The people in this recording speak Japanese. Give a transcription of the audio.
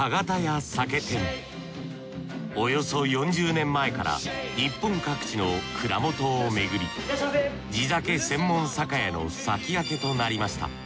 およそ４０年前から日本各地の蔵元をめぐり地酒専門酒屋の先駆けとなりました。